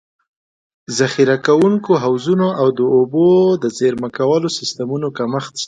ذخیره کوونکو حوضونو او د اوبو د زېرمه کولو سیستمونو کمښت شته.